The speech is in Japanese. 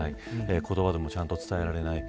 言葉でもちゃんと伝えられない。